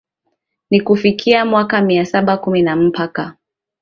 na kufikia mwaka Mia Saba kumi na mpka